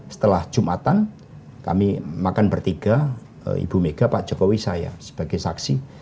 setelah jumatan kami makan bertiga ibu mega pak jokowi saya sebagai saksi